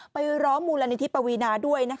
ไปร้องมูลนิธิปวีนาด้วย